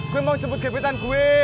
gue mau jemput jepitan gue